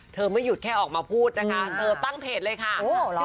เธอไม่หยุดแค่ออกมาพูดนะคะเอิ่มเอาตั้งเพจเลยค่ะโหเหรอ